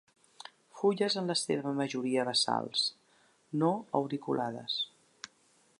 Fulles en la seva majoria basals; no auriculades.